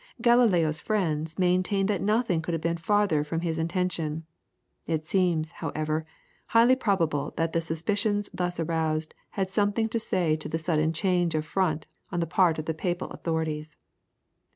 Galileo's friends maintained that nothing could have been farther from his intention. It seems, however, highly probable that the suspicions thus aroused had something to say to the sudden change of front on the part of the Papal authorities.